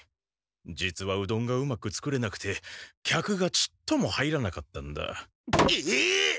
実はうどんがうまく作れなくて客がちっとも入らなかったんだ。え！？